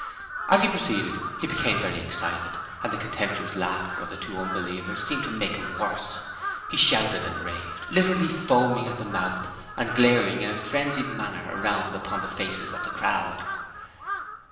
As he proceeded he became very excited, and the contemptuous laughter of the two unbelievers seemed to make him worse. He shouted and raved, literally foaming at the mouth and glaring in a frenzied manner around upon the faces of the crowd.